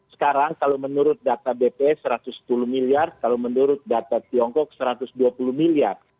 sekarang kalau menurut data bp satu ratus sepuluh miliar kalau menurut data tiongkok satu ratus dua puluh miliar